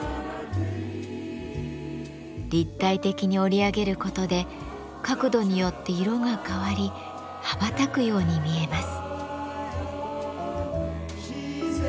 立体的に織り上げることで角度によって色が変わり羽ばたくように見えます。